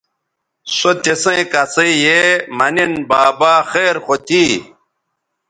سو تسیئں کسئ یے مہ نِن بابا خیر خو تھی